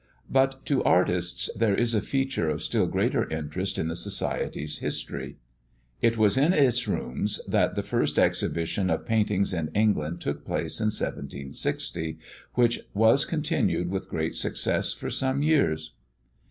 But to artists there is a feature of still greater interest in the Society's history: it was in its rooms that the first exhibition of paintings in England took place in 1760, which was continued with great success for some years.